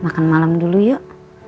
makan malem dulu yuk